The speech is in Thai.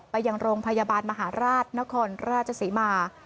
ไปยังโรงพยาบาลมหาราชนครราชศรีมา